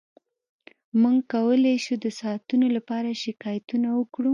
موږ کولی شو د ساعتونو لپاره شکایتونه وکړو